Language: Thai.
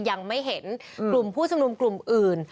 ยังไม่เห็นกลุ่มผู้ชุมนุมกลุ่มอื่น